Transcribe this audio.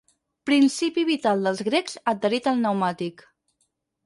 Principi vital dels grecs adherit al pneumàtic.